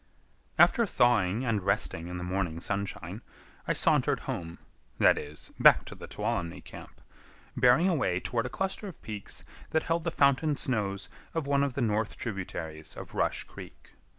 After thawing and resting in the morning sunshine, I sauntered home,—that is, back to the Tuolumne camp,—bearing away toward a cluster of peaks that hold the fountain snows of one of the north tributaries of Rush Creek.